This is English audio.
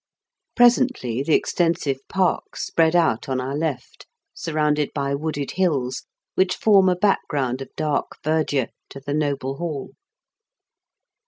Presently the extensive park spread out on our left, surrounded by wooded hills, which form a background of dark verdure to the noble hall.